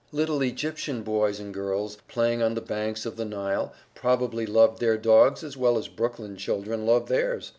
Little Egyptian boys and girls, playing on the banks of the Nile, probably loved their dogs as well as Brooklyn children love theirs.